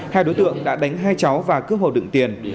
hai đối tượng đã đánh hai cháu và cướp hồ đựng tiền